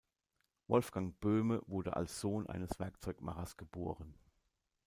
Wolfgang Böhme wurde als Sohn eines Werkzeugmachers geboren.